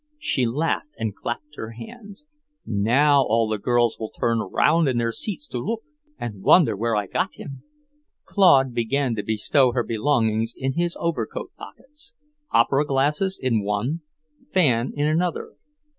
She laughed and clapped her hands. "Now all the girls will turn round in their seats to look, and wonder where I got him!" Claude began to bestow her belongings in his overcoat pockets; opera glasses in one, fan in another.